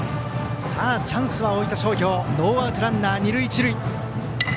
チャンスは大分商業ノーアウトランナー二塁一塁。